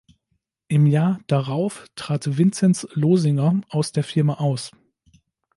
Im Jahr darauf trat Vinzenz Losinger aus der Firma aus.